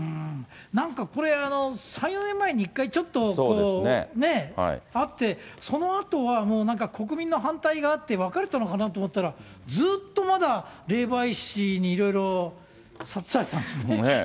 なんかこれ、３、４年前に１回ちょっとあって、そのあとはもうなんか、国民の反対があって別れたのかなと思ったら、ずっとまだ霊媒師にいろいろ諭されたんですね。